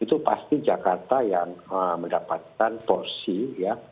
itu pasti jakarta yang mendapatkan porsi ya